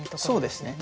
そうです。